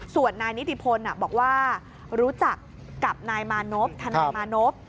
ส่วนนายนิติพลบอกว่ารู้จักกับนายมานพทนายมานพ